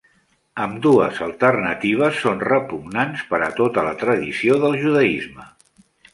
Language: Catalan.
Ambdues alternatives són repugnants per a tota la tradició del judaisme.